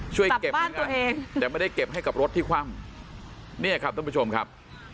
ช่วยเก็บเหมือนกันแต่ไม่ได้เก็บให้กับรถที่คว่ำเนี่ยครับท่านผู้ชมครับ